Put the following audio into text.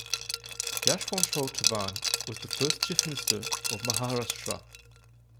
Yashwantrao Chavan was the first Chief Minister of Maharashtra.